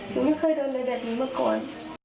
หนูไม่เคยเดินในแบบนี้เมื่อก่อน